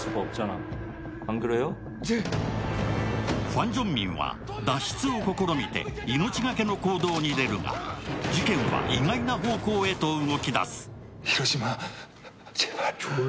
ファン・ジョンミンは脱出を試みて命がけの行動に出るが、事件は意外な方向へと動き出す。